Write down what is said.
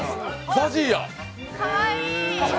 ＺＡＺＹや！